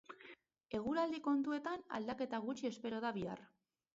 Eguraldi kontuetan aldaketa gutxi espero da bihar.